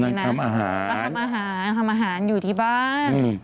แล้วทำอาหารทำอาหารอยู่ที่บ้าน